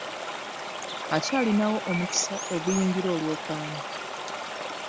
Akyalinawo omukisa oguyingira olwokaano.